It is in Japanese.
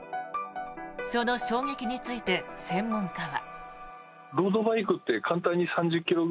その衝撃について専門家は。